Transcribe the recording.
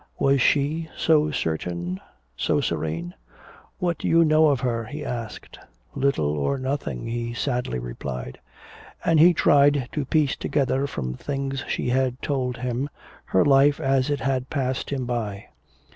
Was she so certain, so serene? "What do I know of her?" he asked. "Little or nothing," he sadly replied. And he tried to piece together from things she had told him her life as it had passed him by.